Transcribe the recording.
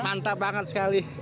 mantap banget sekali